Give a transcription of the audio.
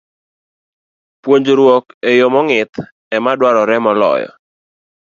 Puonjruok e yo mong'ith ema dwarore moloyo